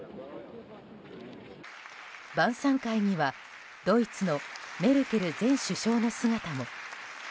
晩さん会にはドイツのメルケル前首相の姿も。